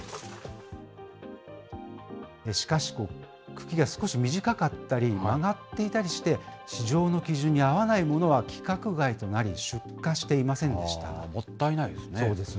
しかし、茎が少し短かったり、曲がっていたりして、市場の基準に合わないものは規格外となり、出荷していませんでしもったいないですね。